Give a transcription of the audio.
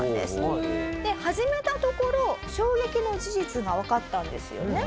始めたところ衝撃の事実がわかったんですよね。